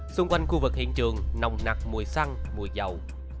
xung quanh khu vực hiện trường nồng nặc mùi xăng mùi dầu